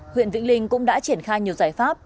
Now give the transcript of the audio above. huyện vĩnh linh cũng đã triển khai nhiều giải pháp